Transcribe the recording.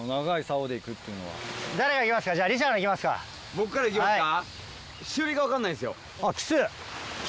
僕からいきますか。